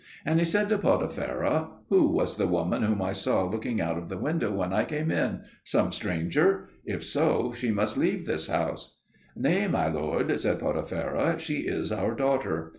And he said to Potipherah, "Who was the woman whom I saw looking out of the window when I came in? Some stranger? If so, she must leave this house." "Nay, my lord," said Potipherah, "she is our daughter."